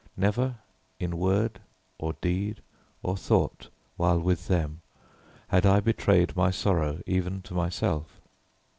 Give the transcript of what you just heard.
Never in word or deed or thought while with them had I betrayed my sorrow even to myself.